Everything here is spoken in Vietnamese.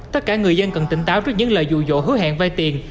tất cả người dân cần tỉnh táo trước những lời dụ dỗ hứa hẹn vay tiền